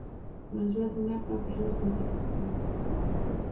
No es va donar cap justificació.